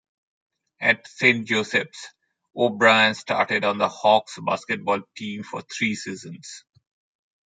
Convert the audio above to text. At Saint Joseph's, O'Brien started on the Hawks basketball team for three seasons.